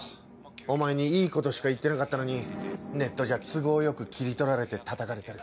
お前にいいことしか言ってなかったのにネットじゃ都合よく切り取られてたたかれてる。